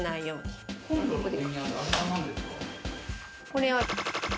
これは。